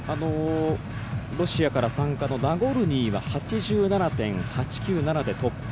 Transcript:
ロシアから参加のナゴルニーは８７．８９７でトップ。